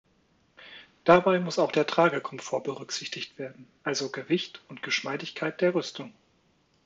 Dabei muss auch der Tragekomfort berücksichtigt werden, also Gewicht und Geschmeidigkeit der Rüstung.